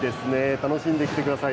楽しんできてください。